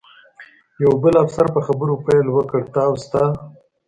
یو بل افسر په خبرو پیل وکړ، ته او ستا.